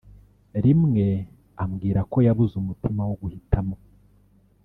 rimwe ambwira ko yabuze umutima wo guhitimo